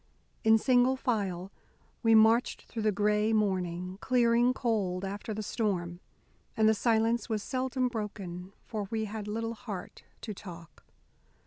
In single file we marched through the gray morning, clearing cold after the storm, and the silence was seldom broken, for we had little heart to talk.